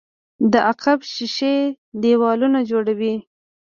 د عقب ښيښې دېوالونو يوړې.